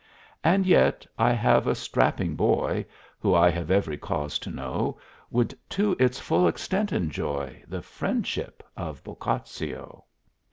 And yet I have a strapping boy Who (I have every cause to know) Would to its full extent enjoy The friendship of Boccaccio!